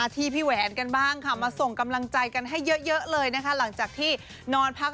ที่พี่แหวนกันบ้างค่ะมาส่งกำลังใจกันให้เยอะเลยนะคะหลังจากที่นอนพัก